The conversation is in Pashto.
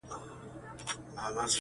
خدای چي له عرسه راکتل ما ورته دا وويل~